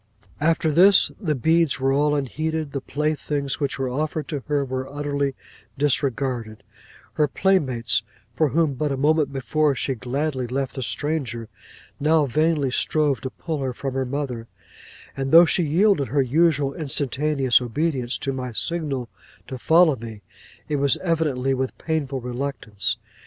'After this, the beads were all unheeded; the playthings which were offered to her were utterly disregarded; her playmates, for whom but a moment before she gladly left the stranger, now vainly strove to pull her from her mother; and though she yielded her usual instantaneous obedience to my signal to follow me, it was evidently with painful reluctance.